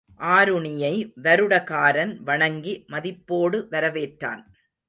ஆருணியை வருடகாரன் வணங்கி, மதிப்போடு வரவேற்றான்.